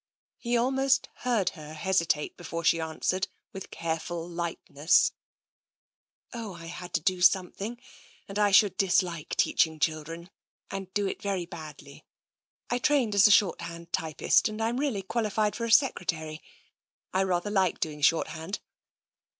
He almost heard her hesitate before she answered with careful lightness: " Oh, I had to do something, and I should dislike teaching children — and do it very badly. I trained as a shorthand typist, and am really qualified for a secretary. I rather like doing shorthand."